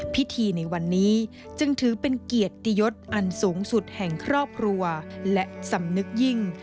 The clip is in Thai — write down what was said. พิธีในวันนี้จึงถือเป็นเกียรติยศอันสูงสุดแห่งครอบครัวและสำนึกยิ่ง